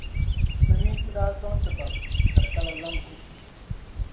Siliminsi daa sɔŋ ti pam ka di ka la zaŋ' buɣisi.